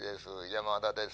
山田です